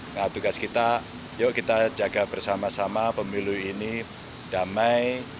nah tugas kita yuk kita jaga bersama sama pemilu ini damai